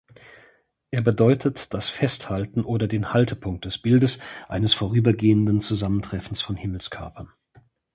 Er bedeutet das „Festhalten“ oder den „Haltepunkt“ des Bildes eines vorübergehenden Zusammentreffens von Himmelskörpern.